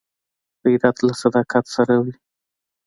غیرت له صداقت سره وي